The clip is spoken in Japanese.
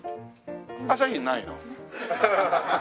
朝日ないの？